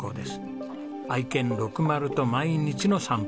愛犬ろくまると毎日の散歩。